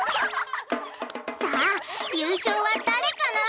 さあ優勝は誰かな？